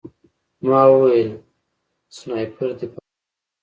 ما وویل سنایپر دی پناه شئ